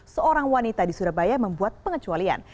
seorang wanita di surabaya membuat pengecualian